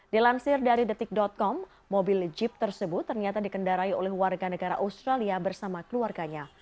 dilansir dari detik com mobil jeep tersebut ternyata dikendarai oleh warga negara australia bersama keluarganya